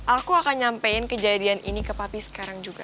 aku akan nyampein kejadian ini ke papi sekarang juga